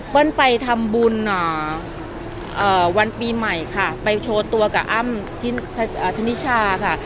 ไปทำบุญวันปีใหม่ค่ะไปโชว์ตัวกับอ้ำธนิชาค่ะ